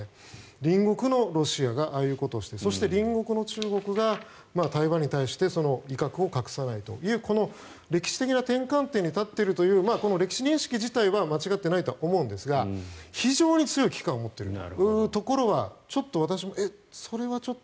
隣国のロシアがああいうことをしてそして、隣国の中国が台湾に対して威嚇を隠さないというこの歴史的な転換点に立っているというこの歴史認識自体は間違ってないと思うんですが非常に強い危機感を持っているところはちょっと私もそれはちょっと。